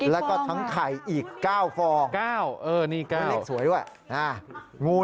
แล้วก็ทั้งไข่อีก๙ฟองนี่๙ฟองนี่เล็กสวยด้วยงู๑